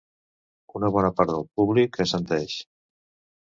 Una bona part del públic assenteix.